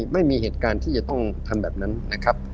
ไม่มีเหตุการณ์ที่จะต้องทำแบบนั้นนะครับ